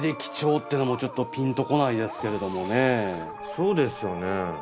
そうですよね。